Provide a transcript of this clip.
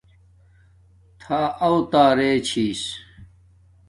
تھَݳ اَوتݳ رݳ چھݵس.